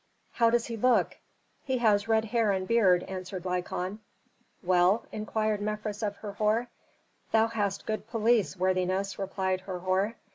"How does he look?" "He has red hair and beard," answered Lykon. "Well?" inquired Mefres of Herhor. "Thou hast good police, worthiness," replied Herhor.